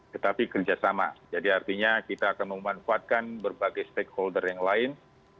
tetapi kerjasama jadi artinya kita akan memanfaatkan berbagai stakeholder yang lain